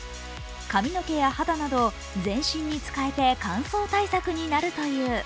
髪の毛や肌など全身に使えて乾燥対策になるという。